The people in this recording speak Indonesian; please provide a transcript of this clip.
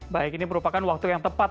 baik ini merupakan waktu yang tepat